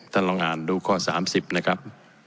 ท่านลองอ่านดูข้อ๓๐นะครับ